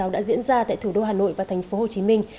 đã diễn ra tại thủ đô hà nội và thành phố hồ chí minh